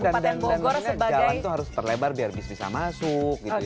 dan maksudnya jalan itu harus terlebar biar bisa bisa masuk gitu ya